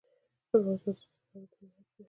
افغانستان زلزله لرونکی هیواد دی